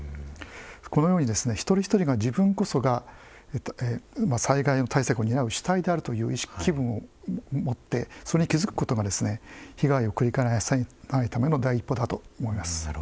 このように一人一人が自分こそが災害対策を担う主体であるという機運を持ってそれに気付くことが被害を繰り返さないための第一歩だと思います。